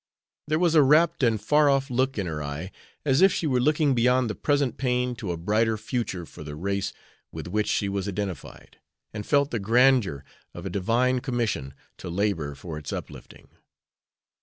There was a rapt and far off look in her eye, as if she were looking beyond the present pain to a brighter future for the race with which she was identified, and felt the grandeur of a divine commission to labor for its uplifting.